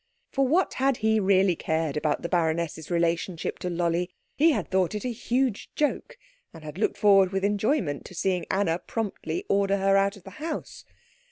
For what had he really cared about the baroness's relationship to Lolli? He had thought it a huge joke, and had looked forward with enjoyment to seeing Anna promptly order her out of the house.